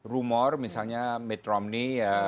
rumor misalnya mitt romney